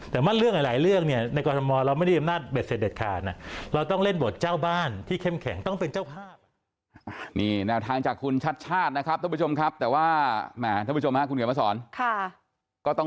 แต่ว่าเรื่องหลายเรื่องเนี่ยในกรทมเราไม่ได้อำนาจเบ็ดเสร็จเด็ดขาดนะ